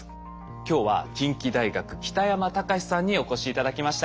今日は近畿大学北山隆さんにお越し頂きました。